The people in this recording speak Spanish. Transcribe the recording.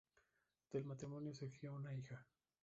Del matrimonio surgió una hija.